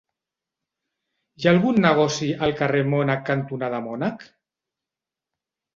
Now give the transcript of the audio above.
Hi ha algun negoci al carrer Mònec cantonada Mònec?